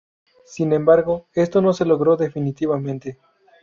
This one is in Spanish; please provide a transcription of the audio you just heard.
Sin embargo, esto no se logró definitivamente.